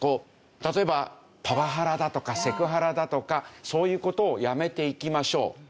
例えばパワハラだとかセクハラだとかそういう事をやめていきましょう。